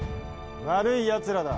悪いやつらだ。